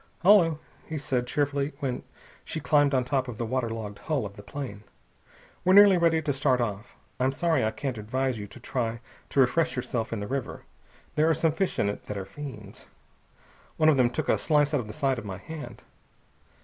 "Hullo," he said cheerfully when she climbed on top of the waterlogged hull of the plane. "We're nearly ready to start off. I'm sorry I can't advise you to try to refresh yourself in the river. There are some fish in it that are fiends. One of them took a slice out of the side of my hand."